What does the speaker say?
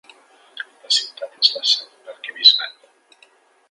La ciutat és la seu d'un arquebisbat.